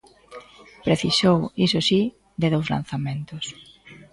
Precisou, iso si, de dous lanzamentos.